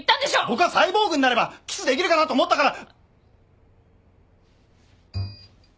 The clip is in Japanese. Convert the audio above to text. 僕はサイボーグになればキスできるかなと思ったから。